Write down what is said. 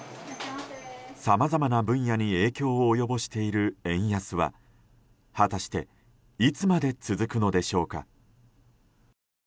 さまざまな分野に影響を及ぼしている円安は果たしていつまで続くのでしょうか。